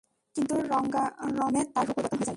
কিন্তু রণাঙ্গনে তার রূপ পরিবর্তন হয়ে যায়।